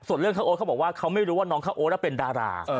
ส่วนเรื่องข้าวโอ๊ตเขาบอกว่าเขาไม่รู้ว่าน้องข้าวโอ๊ตเป็นดารา